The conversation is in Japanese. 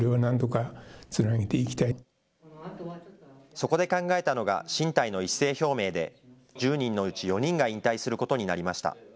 そこで考えたのが進退の一斉表明で、１０人のうち４人が引退することになりました。